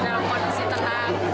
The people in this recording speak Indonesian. dalam manusia tengah